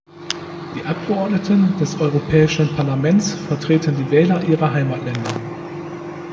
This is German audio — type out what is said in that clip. Die Abgeordneten des Europäischen Parlaments vertreten die Wähler ihrer Heimatländer.